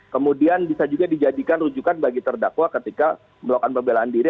kemudian bisa juga dijadikan rujukan bagi terdakwa ketika melakukan pembelaan diri